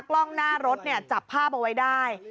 กล้องหน้ารถจับภาพเอาไว้ได้